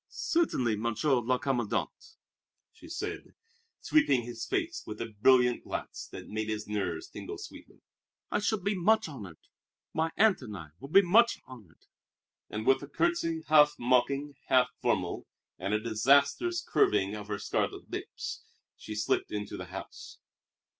"Certainly, Monsieur le Commandant," she said, sweeping his face with a brilliant glance that made his nerves tingle sweetly; "I shall be much honored. My aunt and I will be much honored!" And with a curtsy half mocking, half formal, and a disastrous curving of her scarlet lips, she slipped into the house.